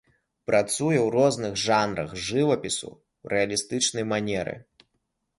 Працуе ў розных жанрах жывапісу ў рэалістычнай манеры.